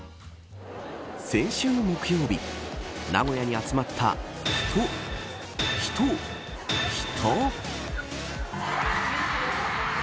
先週木曜日名古屋に集まった人、人、人。